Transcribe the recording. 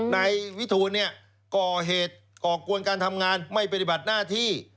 นายวิทูลก่อเหตุก่อกวนการทำงานไม่ปฏิบัติหน้าที่